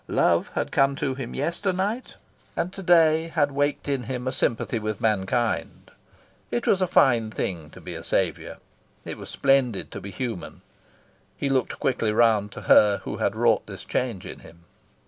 Love had come to him yesternight, and to day had waked in him a sympathy with mankind. It was a fine thing to be a saviour. It was splendid to be human. He looked quickly round to her who had wrought this change in him.